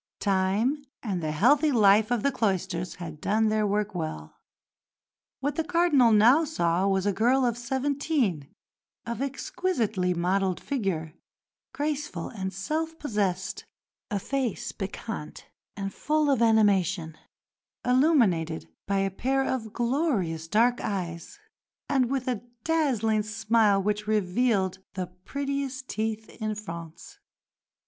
Time and the healthy life of the cloisters had done their work well. What the Cardinal now saw was a girl of seventeen, of exquisitely modelled figure, graceful and self possessed; a face piquant and full of animation, illuminated by a pair of glorious dark eyes, and with a dazzling smile which revealed the prettiest teeth in France.